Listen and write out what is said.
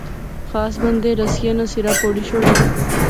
خاص بندے رسیا ناں سرا پوڑی شوڑیا